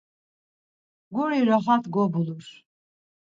Guri raxat gobulur.